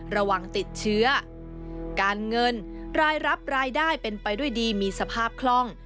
ระวังติดเชื้อการเงินรายรับรายได้เป็นไปด้วยดีมีสภาพคล่อง